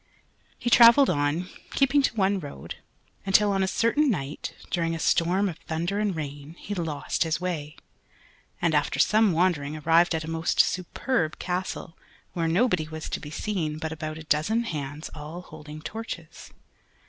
He travelled on, keeping to one road, until on a certain night, during a storm of thunder and rain, he lost his way, and after some wandering arrived at a most superb castle where nobody was to be seen but about a dozen hands all holding torches.